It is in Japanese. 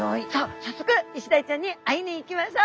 さっそくイシダイちゃんに会いに行きましょう！